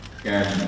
ken selamat siang